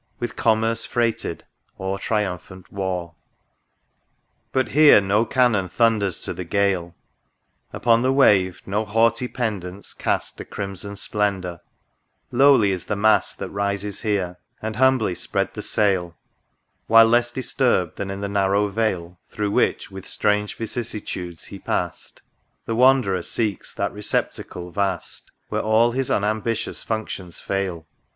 With Commerce freighted or triumphant War. \ 84 THE RIVER DUDDON. XXXII. But here no cannon thunders to the gale ; Upon the wave no haughty pendants cast A crimson splendour ; lowly is the mast That rises here, and humbly spread the sail ; While less disturbed than in the narrow Vale Through which with strange vicissitudes he pass'd, The Wanderer seeks that receptacle vast Where all his unambitious functions fail.